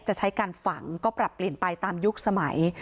จะใช้การฝังก็ปรับเปลี่ยนไปตามยุคสมัย